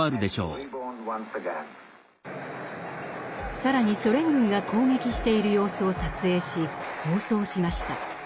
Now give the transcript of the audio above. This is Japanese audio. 更にソ連軍が攻撃している様子を撮影し放送しました。